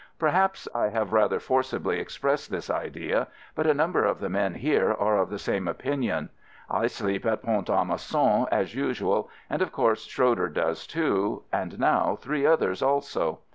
Perhaps I have rather forcibly expressed this idea, but a number of the men here are of the same opinion. I sleep at Pont a Mousson as usual, and of course Schroeder does too, and now three others also.